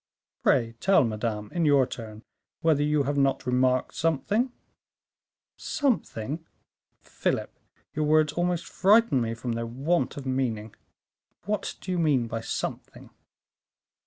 "Pray tell me, madame, in your turn, whether you have not remarked something?" "'Something'! Philip? Your words almost frighten me, from their want of meaning. What do you mean by 'something?